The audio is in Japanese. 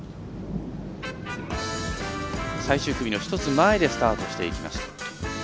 最終組の１つ前でスタートしていきました。